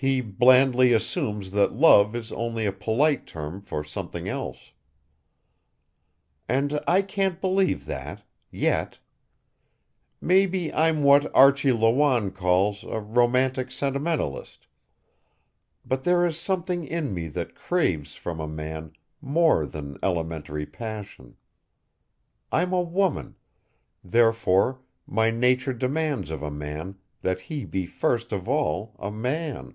He blandly assumes that love is only a polite term for something else. And I can't believe that yet. Maybe I'm what Archie Lawanne calls a romantic sentimentalist, but there is something in me that craves from a man more than elementary passion. I'm a woman; therefore my nature demands of a man that he be first of all a man.